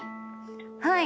はい。